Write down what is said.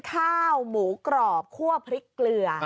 ข้าวหมูกรอบคั่วพริกเกลือ